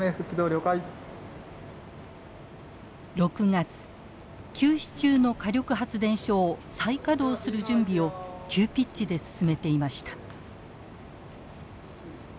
６月休止中の火力発電所を再稼働する準備を急ピッチで進めていました。